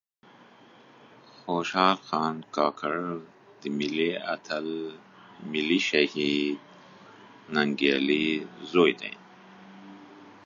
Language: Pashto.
خوشال خان کاکړ د ملي آتل ملي شهيد ننګيالي ﺯوې دې